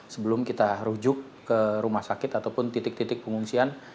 sebelum kita rujuk ke rumah sakit ataupun titik titik pengungsian